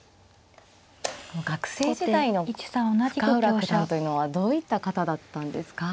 学生時代の深浦九段というのはどういった方だったんですか。